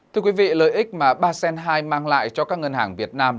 thưa quý vị lợi ích mà ba sen hai mang lại cho các ngân hàng việt nam